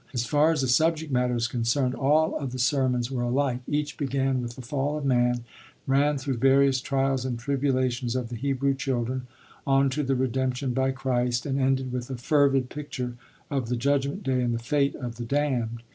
As far as subject matter is concerned, all of the sermons were alike: each began with the fall of man, ran through various trials and tribulations of the Hebrew children, on to the redemption by Christ, and ended with a fervid picture of the judgment day and the fate of the damned.